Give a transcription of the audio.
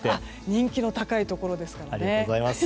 人気の高いところですからね。